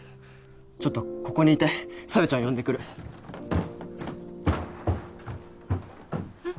ちょっとここにいて小夜ちゃん呼んでくるえっ？